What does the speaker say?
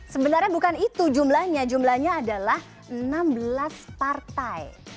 sebenarnya bukan itu jumlahnya jumlahnya adalah enam belas partai